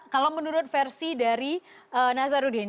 kalau menurut versi dari nazarudin